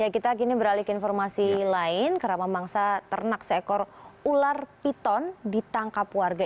kita kini beralih ke informasi lain kerama mangsa ternak seekor ular piton ditangkap warga